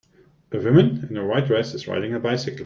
A woman in a white dress is riding a bicycle.